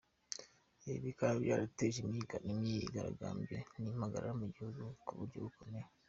Ibi bikaba byarateje imyigaragambyo n’impagarara mu gihugu ku buryo bukomeye.